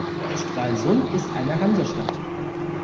Stralsund ist eine Hansestadt.